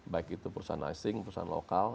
baik itu perusahaan asing perusahaan lokal